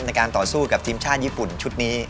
ในการต่อสู้กับทีมชาติญี่ปุ่นชุดนี้